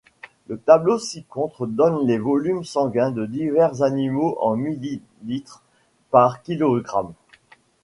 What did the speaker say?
Le tableau ci-contre donne les volumes sanguins de divers animaux en millilitres par kilogramme.